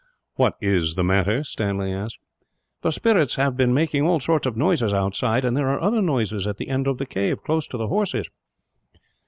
"What is the matter?" Stanley asked. "The spirits have been making all sorts of noises outside, and there are other noises at the end of the cave, close to the horses."